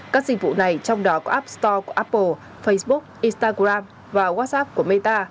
các dịch vụ này trong đó có app store của apple facebook instagram và whatsapp của meta